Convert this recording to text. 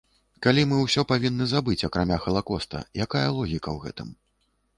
Калі мы ўсё павінны забыць, акрамя халакоста, якая логіка ў гэтым?